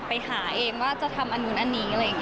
ไปหาเองว่าจะทำอันนึงอันนี้